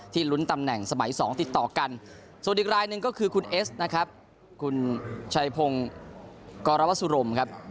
ที่ลุ้นตำแหน่งสมัย๒ติดต่อกันสวดีการณ์หนึ่งก็คือคุณเอสนะครับ